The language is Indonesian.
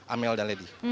amel dan lady